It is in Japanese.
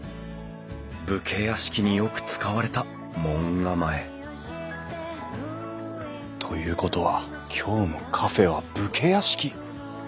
武家屋敷によく使われた門構えということは今日のカフェは武家屋敷！